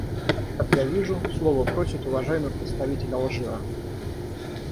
Как я вижу, слова просит уважаемый представитель Алжира.